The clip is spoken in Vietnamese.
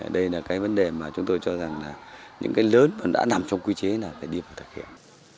đây là cái vấn đề mà chúng tôi cho rằng là những cái lớn mà đã nằm trong quy chế là phải đi vào thực hiện